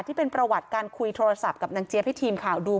ที่เป็นประวัติการคุยโทรศัพท์กับนางเจี๊ยบให้ทีมข่าวดู